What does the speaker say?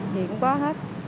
thì cũng có hết